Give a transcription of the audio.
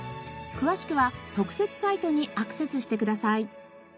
詳しくは特設サイトにアクセスしてください。